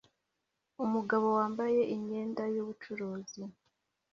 Umugabo wambaye imyenda yubucuruzi